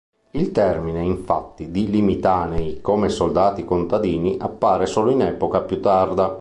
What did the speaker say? Il termine, infatti, di "limitanei" come "soldati-contadini" appare solo in epoca più tarda.